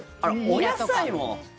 お野菜も？